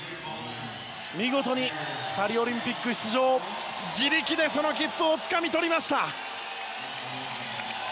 見事にパリオリンピック出場を自力でその切符をつかみ取りました！